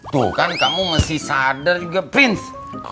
tuh kan kamu mesti sadar juga prins